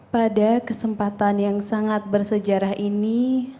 pada kesempatan yang sangat bersejarah ini